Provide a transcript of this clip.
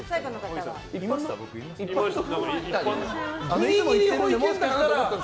いました？